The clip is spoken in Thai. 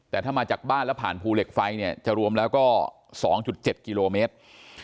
แต่ถ้ามาจากบ้านแล้วผ่านภูเหล็กไฟเนี่ยจะรวมแล้วก็๒๗กิโลเมตร